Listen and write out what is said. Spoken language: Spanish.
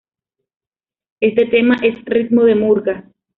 Este tema es ritmo de murga.